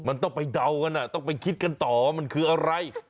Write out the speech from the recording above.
มันต้องไปเดากันต้องไปคิดกันต่อว่ามันคืออะไร